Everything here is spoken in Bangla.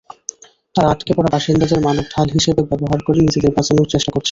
তারা আটকে পড়া বাসিন্দাদের মানবঢাল হিসেবে ব্যবহার করে নিজেদের বাঁচানোর চেষ্টা করছে।